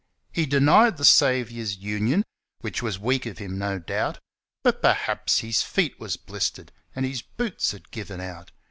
He denied the Saviour's union, Which was weak of him, no doubt; But perhaps his feet was blistered And his boots had given out.